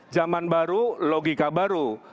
zaman baru logika baru